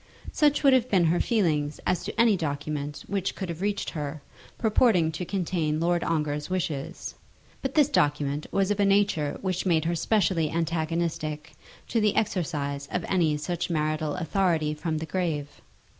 Such would have been her feelings as to any document which could have reached her, purporting to contain Lord Ongar's wishes; but this document was of a nature which made her specially antagonistic to the exercise of any such marital authority from the grave.